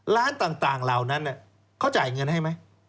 ร้านต่างเหล่านั้นเขาจ่ายเงินให้ไหม